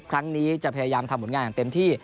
ครั้งนี้จะพยายามทำผลงานอย่างเต็มที่